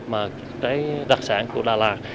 mà trái đặc sản của đà lạt